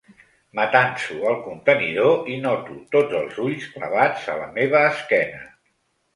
M'atanso al contenidor i noto tots els ulls clavats a la meva esquena.